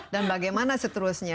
dan bagaimana seterusnya